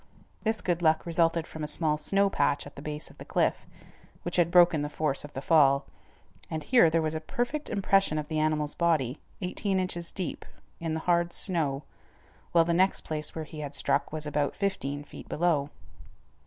This good luck resulted from a small snow patch at the base of the cliff, which had broken the force of the fall, and here there was a perfect impression of the animal's body, eighteen inches deep, in the hard snow, while the next place where he had struck was about fifteen feet below.